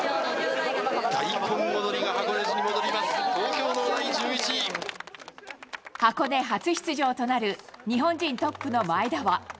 大根踊りが箱根路に戻ります、箱根初出場となる日本人トップの前田は。